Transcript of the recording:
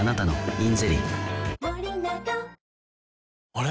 あれ？